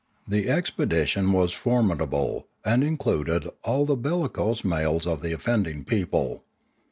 The expedition was 502 Limanora formidable, and included all the bellicose males of the offending people.